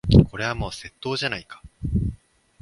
これはもう窃盗じゃないか。